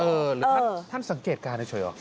เออหรือท่านสังเกตการณ์เฉยหรือเปล่า